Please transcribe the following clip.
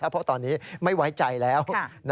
เพราะตอนนี้ไม่ไว้ใจแล้ว